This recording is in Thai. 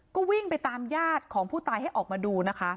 ก็วิ่งไปตามญาติของผู้ตายให้ออกมาดูนะคะ